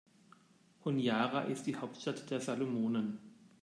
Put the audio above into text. Honiara ist die Hauptstadt der Salomonen.